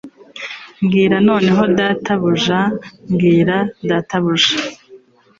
Mbwira noneho databuja mbwira databuja